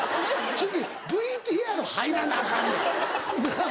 次ＶＴＲ入らなアカンねんなぁ。